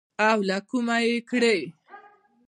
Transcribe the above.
او له کومه يې کړې.